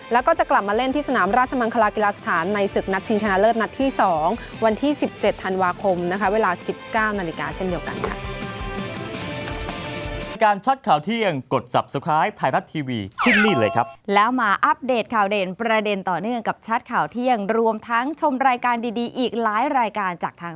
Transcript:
แล้วก็จะกลับมาเล่นที่สนามราชมังคลากีฬาสถานในศึกนัดชิงชนะเลิศนัดที่๒วันที่๑๗ธันวาคมนะคะเวลา๑๙นาฬิกาเช่นเดียวกันค่ะ